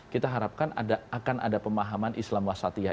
kita harapkan akan ada pemahaman islam wa satiyah